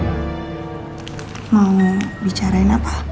mau bicara apa